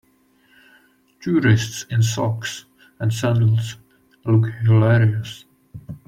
Tourists in socks and sandals look hilarious.